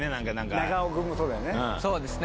長尾君もそうだよね。